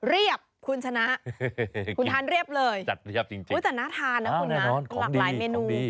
เรียบคุณชนะคุณทานเรียบเลยจริงสน๊ะทานเนาะคุณลากหลายเมนู